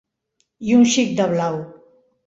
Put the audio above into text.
I un xic de blau.